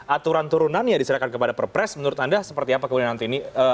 aturan turunannya diserahkan kepada perpres menurut anda seperti apa kemudian nanti ini